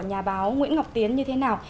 nhà báo nguyễn ngọc tiến như thế nào